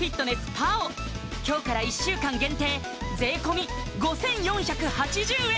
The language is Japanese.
今日から１週間限定税込５４８０円